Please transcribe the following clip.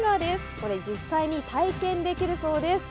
これ、実際に体験できるそうです。